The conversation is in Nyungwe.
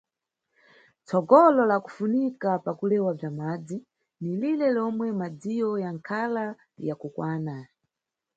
Tsogolo lakufunika pa kulewa bza madzi ni lire lomwe madziyo yanʼkhala ya kukwana.